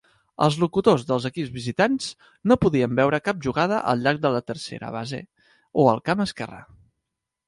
Els locutors dels equips visitants no podien veure cap jugada al llarg de la tercera base o el camp esquerre.